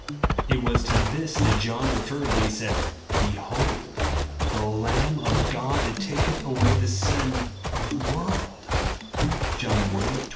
It was to this that John referred when he said, "Behold the Lamb of God, that taketh away the sin of the world," (John i, 29).